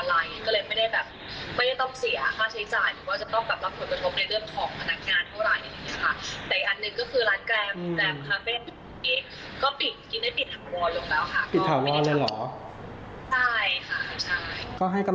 แล้วก็ปรึงส่วนอีก๒คนก็คือตัวนี้ค่ะ